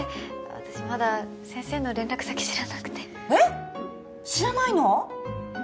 私まだ先生の連絡先知らなくてえっ知らないの？